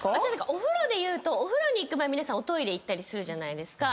お風呂でいうとお風呂に行く前おトイレ行ったりするじゃないですか。